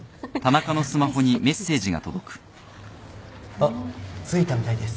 あっ着いたみたいです。